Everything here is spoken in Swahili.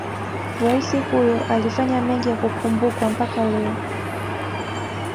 Rais huyo alifanya mengi ya kukumbukwa mpaka leo